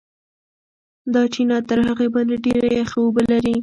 دا چینه تر هغې بلې ډېرې یخې اوبه لري.